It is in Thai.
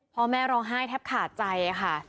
พ่อแม่ร้องไห้แทบขาดใจค่ะ